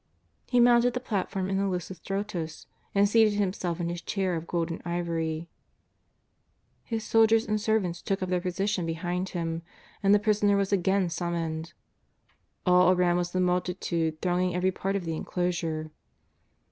He mounted the platform in the Lithostrotos and seated himself in his chair of gold and ivory. His soldiers and servants took u]) their position behind him and the Prisoner was again summoned. All around was the multitude thronging every part of the en closure.